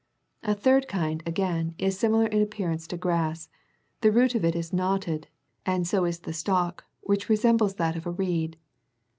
A third kmd,4a again, is similar in appearance to grass ; the root of it is knotted, and so is the stalk, which resembles that of a reed.